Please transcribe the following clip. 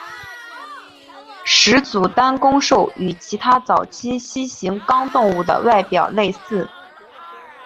始祖单弓兽与其他早期蜥形纲动物的外表类似。